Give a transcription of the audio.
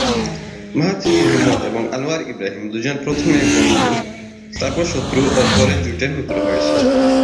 Mahathir Mohamad এবং Anwar Ibrahim দুজন প্রথমে বন্ধু, তারপর শত্রু ও পরে জোটের মিত্র হয়েছেন।